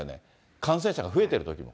感染者が増えてるときも。